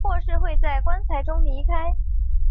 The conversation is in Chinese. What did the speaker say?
或是会在棺材中离开。